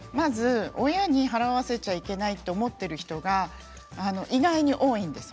親に払わせてはいけないと思っている人が意外に多いんです。